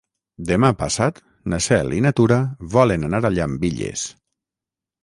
Demà passat na Cel i na Tura volen anar a Llambilles.